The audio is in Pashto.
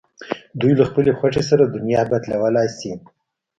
دوی له خپلې خوښې سره دنیا بدلولای شي.